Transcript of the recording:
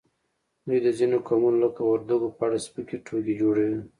دوی د ځینو قومونو لکه وردګو په اړه سپکې ټوکې جوړوي